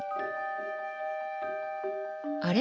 あれ？